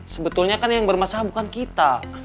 sebetulnya kan yang bermasalah bukan kita